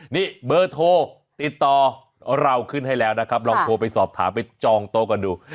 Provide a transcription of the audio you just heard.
นี่เบอร์โทรติดต่อเราขึ้นให้แล้วนะครับลองโทรไปสอบถามไปจองโต๊ะกันดู